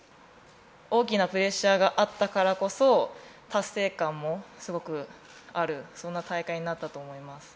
大きなプレッシャーがあったからこそ達成感もすごくある、そんな大会になったと思います。